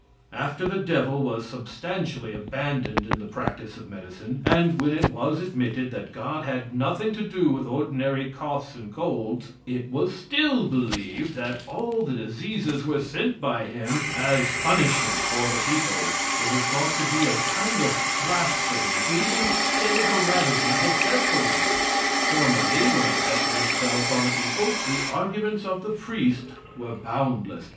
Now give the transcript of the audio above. After the devil was substantially abandoned in the practice of medicine, and when it was admitted that God had nothing to do with ordinary coughs and colds, it was still believed that all the diseases were sent by Him as punishment for the people; it was thought to be a kind of blasphemy to even stay the ravages of pestilence. Formerly, when a pestilence fell upon a people, the arguments of the priest were boundless.